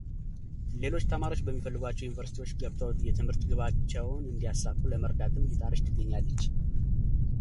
ሌሎች ተማሪዎች በሚፈልጓቸው ዩኒቨርስቲዎች ገብተው የትምህርት ግባቸውን እንዲያሳኩ ለመርዳትም እየጣረች ትገኛለች።